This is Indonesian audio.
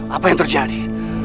apa yang terjadi